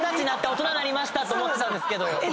大人になりましたと思ってたんですけど。